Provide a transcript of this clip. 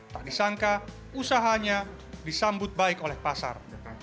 tak disangka usahanya disambut baik oleh pasar